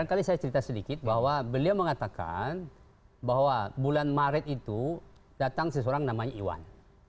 jadi saya cerita sedikit bahwa beliau mengatakan bahwa bulan maret itu datang seseorang namanya iwan